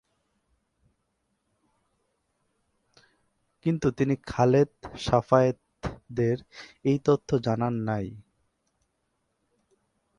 কিন্তু তিনি খালেদ-শাফায়েতদের এই তথ্য জানান নাই।